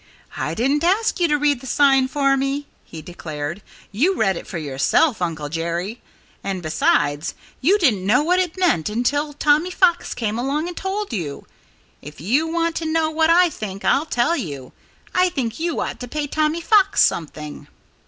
"I didn't ask you to read the sign for me," he declared. "You read it for yourself, Uncle Jerry. And besides, you didn't know what it meant until Tommy Fox came along and told you.... If you want to know what I think, I'll tell you. I think you ought to pay Tommy Fox something."